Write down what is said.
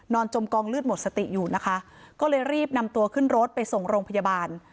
จมกองเลือดหมดสติอยู่นะคะก็เลยรีบนำตัวขึ้นรถไปส่งโรงพยาบาล